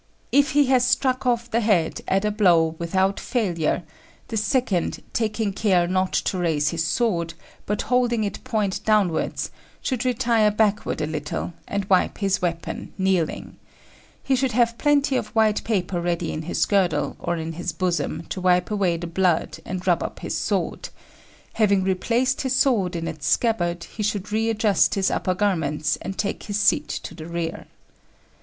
If he has struck off the head at a blow without failure, the second, taking care not to raise his sword, but holding it point downwards, should retire backward a little and wipe his weapon kneeling; he should have plenty of white paper ready in his girdle or in his bosom to wipe away the blood and rub up his sword; having replaced his sword in its scabbard, he should readjust his upper garments and take his seat to the rear.